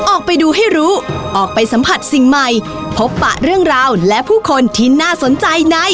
ออกไปดูให้รู้ออกไปสัมผัสสิ่งใหม่พบปะเรื่องราวและผู้คนที่น่าสนใจใน